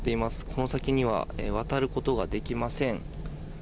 この先には渡ることができません。